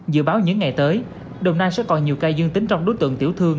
dự báo những ngày tới đồng nai sẽ còn nhiều ca dương tính trong đối tượng tiểu thương